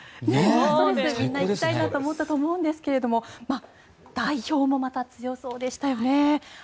ノーストレスでみんな行きたいと思ったと思いますが代表もまた強そうでしたよね。